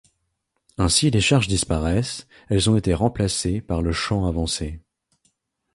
Ainsi les charges disparaissent, elles ont été remplacées par le champ avancé.